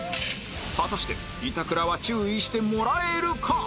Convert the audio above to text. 果たして板倉は注意してもらえるか？